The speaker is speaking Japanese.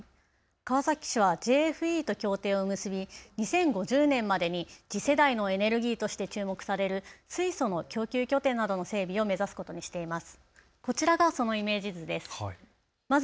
川崎市はＪＦＥと協定を結び２０５０年までに次世代のエネルギーとして注目される水素の供給拠点などの整備を目指すことにしています。